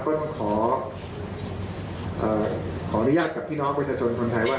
ก็ต้องขออนุญาตกับพี่น้องประชาชนคนไทยว่า